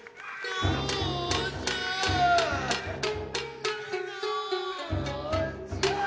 どうじゃ。